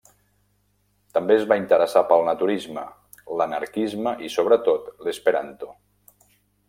També es va interessar pel naturisme, l'anarquisme i, sobretot, l'esperanto.